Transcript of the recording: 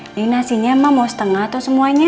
ini nasinya mah mau setengah atau semuanya